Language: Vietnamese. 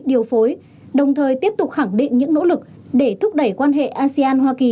điều phối đồng thời tiếp tục khẳng định những nỗ lực để thúc đẩy quan hệ asean hoa kỳ